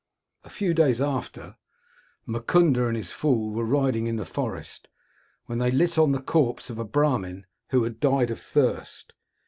"A few days after, Mukunda and his fool were riding in the forest, when they lit on the corpse of a Brahmin who had died of thirst.